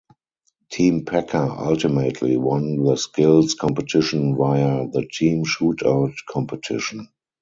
Team Packer ultimately won the skills competition via the team shootout competition.